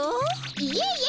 いえいえ